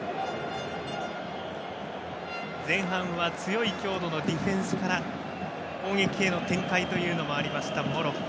前半は強い強度のディフェンスから攻撃への展開がありましたモロッコ。